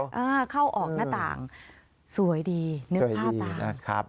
สวยดีนึกภาพต่างสวยดีนะครับ